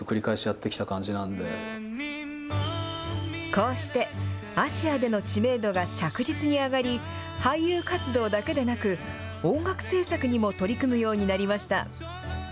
こうしてアジアでの知名度が着実に上がり、俳優活動だけでなく、音楽制作にも取り組むようになりました。